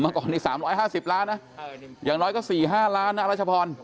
เมื่อก่อน๓๕๐ล้านอย่างน้อยก็๔๕ล้านรัชพร